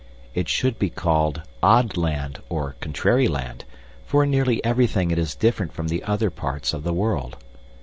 It should be called Odd land or Contrary land, for in nearly everything it is different from the other parts of the world.